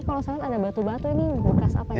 ini kalau sangat ada batu batu ini bekas apa ya pak